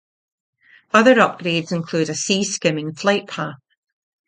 Other upgrades include a sea-skimming flight path.